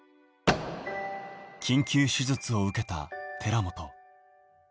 緊急手術を受けた寺本。